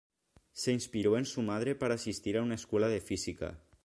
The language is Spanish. Se inspiró en su madre para asistir a una escuela de física.